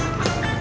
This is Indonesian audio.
yaudah yuk pulang